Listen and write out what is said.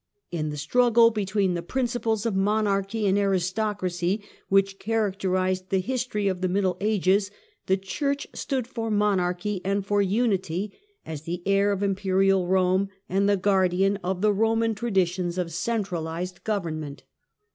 In the struggle between the principles of monarchy and aristocracy which characterized the history of the Middle Ages, the Church stood for monarchy and for unity, as the heir of imperial Rome, and the guardian of the Roman traditions of centralized government.